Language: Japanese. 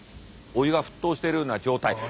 お湯が沸騰しているような状態。